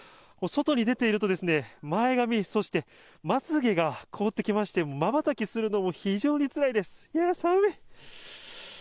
外に出ているとですね、前髪、そしてまつげが凍ってきまして、瞬きするのも非常につらいです。